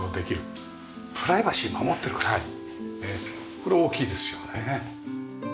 これ大きいですよね。